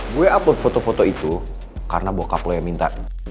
gue upload foto foto itu karena bokap lo yang minta